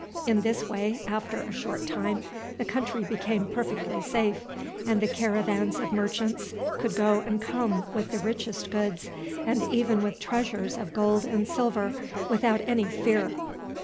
In this way, after a short time, the country became perfectly safe, and the caravans of merchants could go and come with the richest goods, and even with treasures of gold and silver, without any fear.